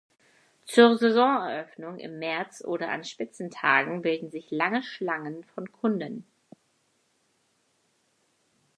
Zur Saisoneröffnung im März oder an Spitzentagen bilden sich lange Schlangen von Kunden.